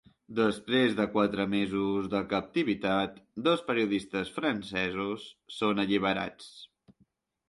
Després de quatre mesos de captivitat, dos periodistes francesos són alliberats.